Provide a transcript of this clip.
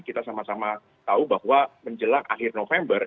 kita sama sama tahu bahwa menjelang akhir november